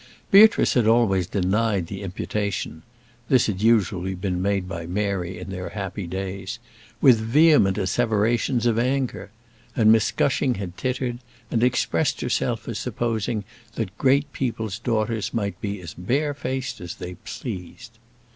Beatrice had always denied the imputation this had usually been made by Mary in their happy days with vehement asseverations of anger; and Miss Gushing had tittered, and expressed herself as supposing that great people's daughters might be as barefaced as they pleased.